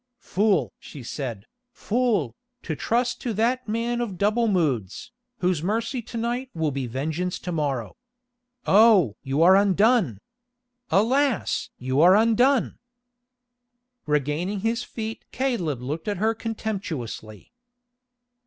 "Fool!" she said, "fool, to trust to that man of double moods, whose mercy to night will be vengeance to morrow. Oh! you are undone! Alas! you are undone!" Regaining his feet Caleb looked at her contemptuously.